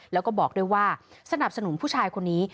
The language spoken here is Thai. แล้วก็บอกด้วยว่าสนับสนุนผู้ชายคนนี้